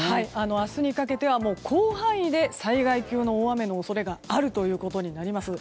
明日にかけては広範囲で災害級の大雨の可能性があるということになります。